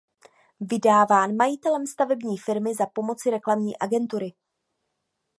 Vydáván majitelem svatební firmy za pomoci reklamní agentury.